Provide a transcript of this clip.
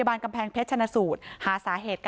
ไปโบกรถจักรยานยนต์ของชาวอายุขวบกว่าเองนะคะ